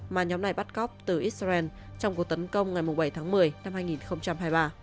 mà nhóm này bắt cóc từ israel trong cuộc tấn công ngày bảy tháng một mươi năm hai nghìn hai mươi ba